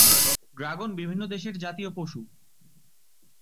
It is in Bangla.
ড্রাগন বিভিন্ন দেশের জাতীয় পশু।